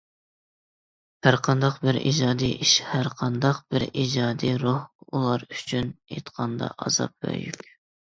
ھەرقانداق بىر ئىجادىي ئىش، ھەرقانداق بىر ئىجادىي روھ ئۇلار ئۈچۈن ئېيتقاندا ئازاب ۋە يۈك.